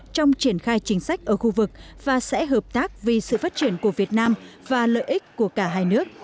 trong triển khai chính sách ở khu vực và sẽ hợp tác vì sự phát triển của việt nam và lợi ích của cả hai nước